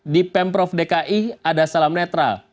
di pemprov dki ada salam netral